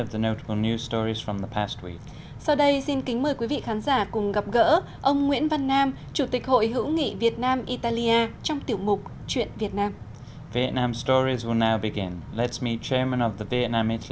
hữu nghị việt nam italia trong tiểu mục chuyện việt nam